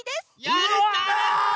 やった！